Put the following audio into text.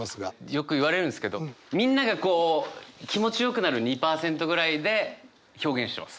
よく言われるんですけどみんながこう気持ちよくなる２％ぐらいで表現してます。